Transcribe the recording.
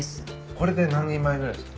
これで何人前ぐらいですか？